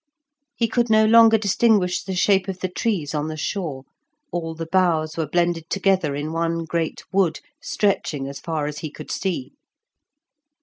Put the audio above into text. He could no longer distinguish the shape of the trees on shore; all the boughs were blended together in one great wood, stretching as far as he could see.